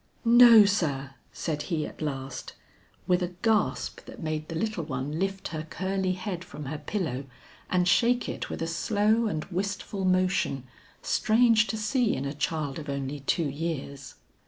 "No sir!" said he at last, with a gasp that made the little one lift her curly head from her pillow and shake it with a slow and wistful motion strange to see in a child of only two years.